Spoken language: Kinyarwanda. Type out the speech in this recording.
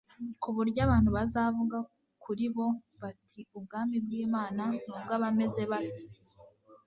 ku buryo abantu bazavuga kuri bo bati : "ubwami bw'Imana ni ubw'abameze batya."